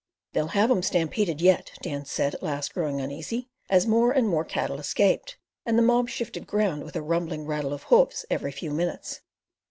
"They'll have 'em stampeding yet," Dan said at last growing uneasy, as more and more cattle escaped, and the mob shifted ground with a rumbling rattle of hoofs every few minutes.